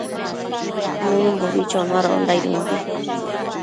Nëmbo choanondaidëmbi